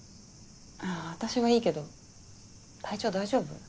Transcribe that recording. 私はいいけど体調大丈夫？